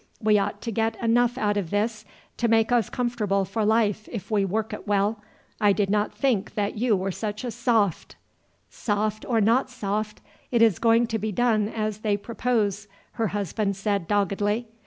We ought to get enough out of this to make us comfortable for life if we work it well. I did not think that you were such a soft!" "Soft or not soft, it is going to be done as they propose," her husband said doggedly.